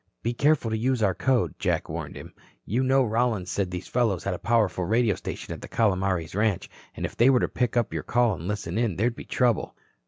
"Be careful to use our code," Jack warned him. "You know Rollins said these fellows had a powerful radio station at the Calomares ranch, and if they were to pick up your call and listen in there'd be trouble."